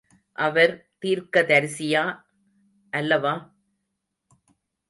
அவர் தீர்க்கதரிசியா அல்லவா?